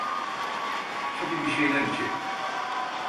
Hadi bir şeyler içelim.